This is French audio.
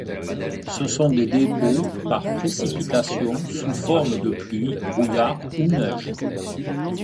Ce sont des dépôts par précipitation sous forme de pluie, brouillard ou neige.